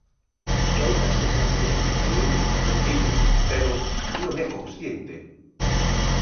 É unha sensación que eu tamén teño, pero non é consciente.